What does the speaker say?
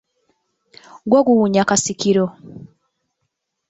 Gwo guwunya kasiikiro.